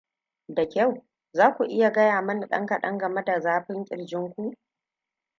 da kyau za ku iya gaya mani ɗan kaɗan game da zafin kirjin ku?